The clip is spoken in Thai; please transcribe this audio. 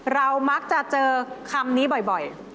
เรามักจะเจอคำนี้บ่อย